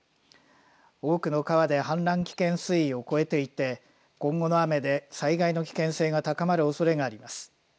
多くの川で氾濫危険水位を超えていて今後の雨で災害の危険性が高まるおそれがあります。